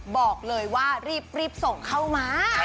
บอกเลยว่ารีบส่งเข้ามา